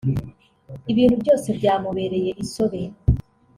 ibintu byose byamubereye insobe